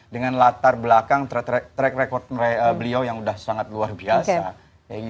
dengan latar belakang track record beliau yang udah sangat luar biasa